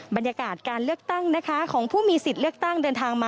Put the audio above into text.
บรรยากาศการเลือกตั้งนะคะของผู้มีสิทธิ์เลือกตั้งเดินทางมา